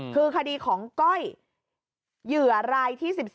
คือคดีของก้อยเหยื่อรายที่๑๒